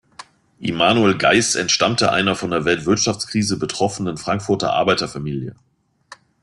Imanuel Geiss entstammte einer von der Weltwirtschaftskrise betroffenen Frankfurter Arbeiterfamilie.